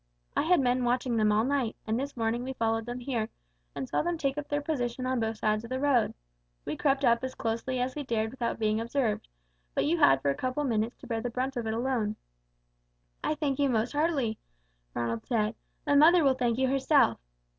I had men watching them all night, and this morning we followed them here, and saw them take up their position on both sides of the road. We crept up as closely as we dared without being observed, but you had for a couple of minutes to bear the brunt of it alone." "I thank you most heartily," Ronald said. "My mother will thank you herself."